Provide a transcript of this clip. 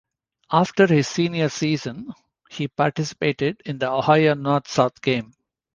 After his senior season, he participated in the Ohio North-South Game.